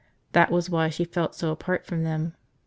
That was why she felt so apart from them.